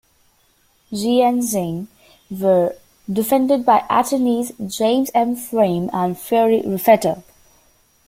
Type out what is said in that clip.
Gee and Sing were defended by attorneys James M. Frame and Fiore Raffetto.